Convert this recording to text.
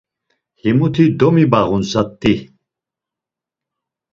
Himuti domibağun zat̆i.